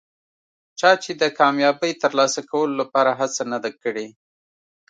چا چې د کامیابۍ ترلاسه کولو لپاره هڅه نه ده کړي.